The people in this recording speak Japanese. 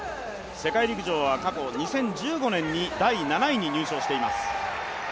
世界陸上は過去２０１５年に第７位に入賞しています。